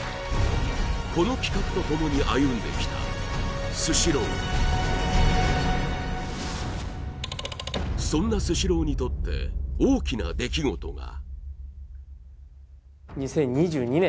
この企画とともに歩んできたスシローそんなスシローにとって大きな出来事が２０２２年